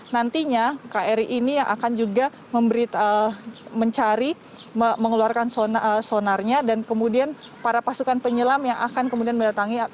nantinya kri ini yang akan juga mencari mengeluarkan sonarnya dan kemudian para pasukan penyelam yang akan kemudian mendatangi